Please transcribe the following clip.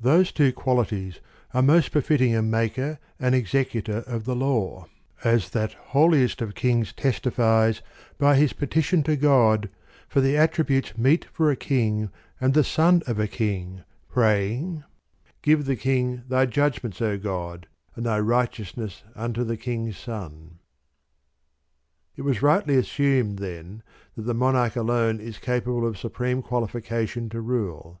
Those two qualities are most befitting a maker and execu tor of the law, as that holiest of kings testifies by his petition to God for the attributes meet for a king and the son of a king, praying:" Give the king thy judgments, O God, and thy right eousness unto the king's son."' 3. It was rightly assumed, then, that the Monarch alone is capable of supreme qualifica tion to rule.